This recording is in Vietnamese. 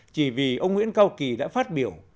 chỉ vì ông nguyễn cao kỳ đã phát biểu